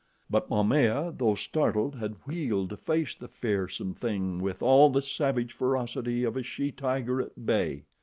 But Momaya, though startled, had wheeled to face the fearsome thing with all the savage ferocity of a she tiger at bay.